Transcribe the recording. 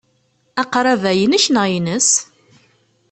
Aqrab-a inek neɣ ines?